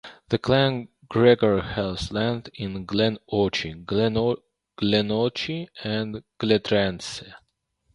The Clan Gregor held lands in Glen Orchy, Glenlochy and Glenstrae.